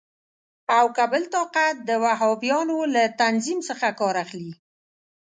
او که بل طاقت د وهابیانو له تنظیم څخه کار اخلي.